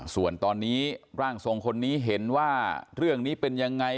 ส่วนตอนนี้ร่างทรงคนนี้เห็นว่าเรื่องนี้เป็นยังไง